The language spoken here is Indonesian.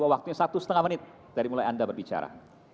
waktunya satu setengah menit dari mulai anda berbicara